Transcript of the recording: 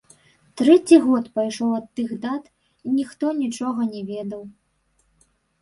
Трэці год пайшоў ад тых дат, і ніхто нічога не ведаў.